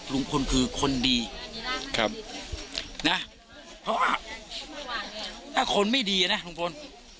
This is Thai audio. ลุงพลคือคนดีนะครับเหรอถ้าคนไม่ดีนะลุงพล